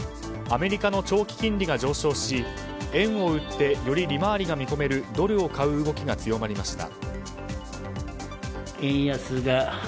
アメリカの長期金利が上昇し円を売ってより利回りが見込めるドルを買う動きが強まりました。